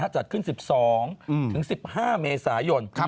จัดขึ้น๑๒ถึง๑๕เมษายน